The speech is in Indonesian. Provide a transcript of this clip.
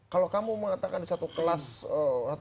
kalau kamu mengatakan di satu kelas satu kelas ada satu